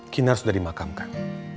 kinar sudah dimakamkan